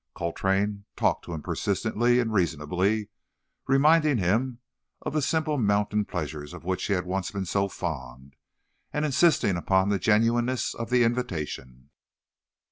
Coltrane talked to him persistently and reasonably, reminding him of the simple mountain pleasures of which he had once been so fond, and insisting upon the genuineness of the invitation.